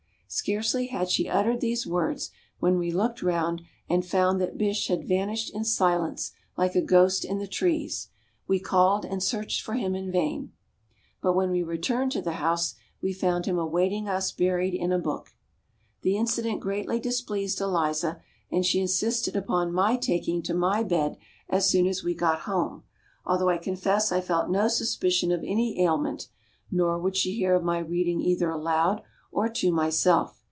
Scarcely had she uttered these words, when we looked round and found that Bysshe had vanished in silence like a ghost in the trees. We called and searched for him in vain. But when we returned to the house we found him awaiting us buried in a book. The incident greatly displeased Eliza and she insisted upon my taking to my bed as soon as we got home, although I confess I felt no suspicion of any ailment, nor would she hear of my reading either aloud or to myself.